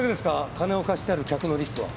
金を貸してある客のリストは。